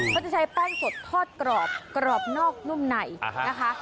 เขาจะใช้แป้งสดทอดกรอบกรอบนอกนุ่มในนะคะ